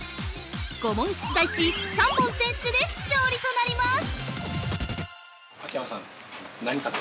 ５問出題し、３問先取で勝利となります。